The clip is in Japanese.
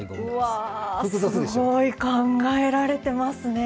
すごい考えられてますね。